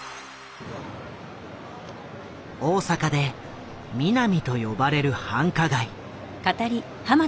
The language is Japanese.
大阪でミナミと呼ばれる繁華街。